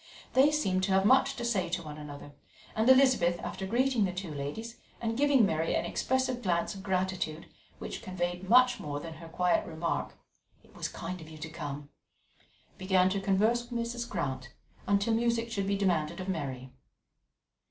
They seemed to have much to say to one another; and Elizabeth, after greeting the two ladies, and giving Mary an expressive glance of gratitude which conveyed much more than her quiet remark: "It was kind of you to come," began to converse with Mrs. Grant until music should be demanded of Mary.